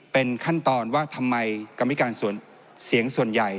เป็นขั้นตอนว่าทำไมกรรมิการส่วนเสียงส่วนใหญ่